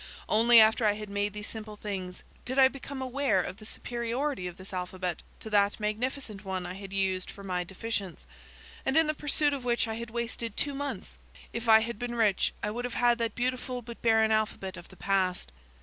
Only after I had made these simple things, did I become aware of the superiority of this alphabet to that magnificent one I had used for my deficients, and in the pursuit of which I had wasted two months! If I had been rich, I would have had that beautiful but barren alphabet of the past!